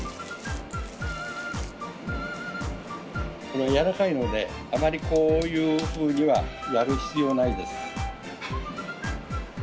これやわらかいのであまりこういうふうにはやる必要ないです。